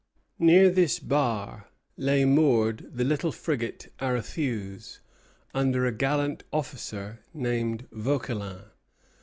Near this bar lay moored the little frigate "Aréthuse," under a gallant officer named Vauquelin.